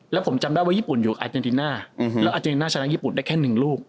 แล้วผมจำได้ว่าญี่ปุ่นอยู่อาเจนติน่าแล้วอาเจนน่าชนะญี่ปุ่นได้แค่๑ลูก